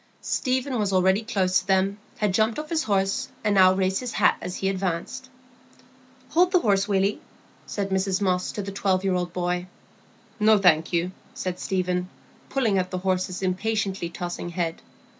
Stephen was already close to them, had jumped off his horse, and now raised his hat as he advanced. "Hold the horse, Willy," said Mrs Moss to the twelve year old boy. "No, thank you," said Stephen, pulling at the horse's impatiently tossing head.